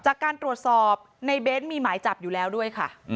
จากการตรวจสอบในเบ้นมีหมายจับอยู่แล้วด้วยค่ะ